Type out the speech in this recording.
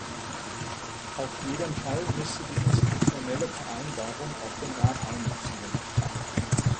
Auf jeden Fall müsste die institutionelle Vereinbarung auch den Rat einbeziehen.